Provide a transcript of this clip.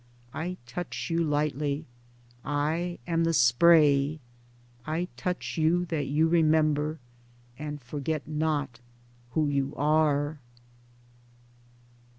1 touch you lightly. I am the spray. I touch you that you remember, and forget not who you are.